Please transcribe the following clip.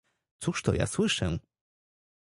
"cóż to ja słyszę?"